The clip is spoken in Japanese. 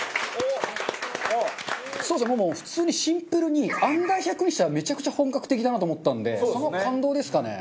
そもそも普通にシンプルにＵ−１００にしてはめちゃくちゃ本格的だなと思ったんでその感動ですかね。